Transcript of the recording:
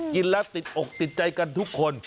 กินแล้วติดอกติดใจกันทุกคน